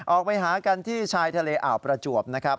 ออกไปหากันที่ชายทะเลอ่าวประจวบนะครับ